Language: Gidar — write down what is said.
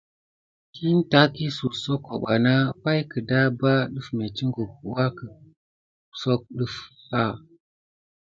Kine takisoya soko bana pay kedaba def metikut wake sok def.